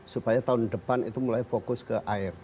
supaya tahun depan itu mulai fokus ke air